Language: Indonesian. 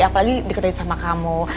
apalagi diketahui sama kamu